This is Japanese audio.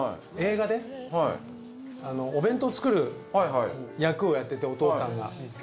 映画でお弁当を作る役をやっててお父さんが。